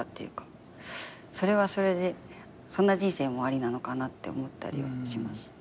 それはそれでそんな人生もありなのかなって思ったりします。